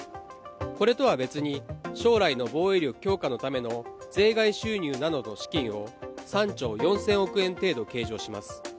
これとは別に将来の防衛力強化のための税外収入などの資金を３兆４０００億円程度計上します